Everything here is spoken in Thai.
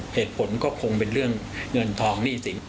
เหตุผลก็คงเป็นเรื่องเงินทองหนี้สิน